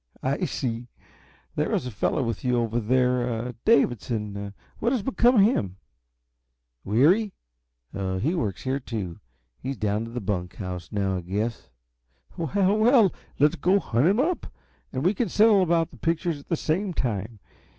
"I see. There was a fellow with you over there Davidson. What has become of him?" "Weary? He works here, too. He's down in the bunk house now, I guess." "Well, well! Let's go and hunt him up and we can settle about the pictures at the same time.